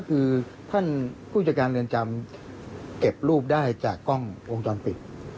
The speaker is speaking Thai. เก็บรูปได้จากกล้องโวงกรปิด